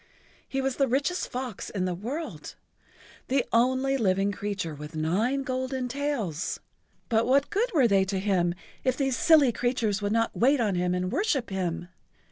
He was the richest fox in the world—the only living creature with nine golden tails—but what good were they to him if these silly creatures would not wait on him and worship him?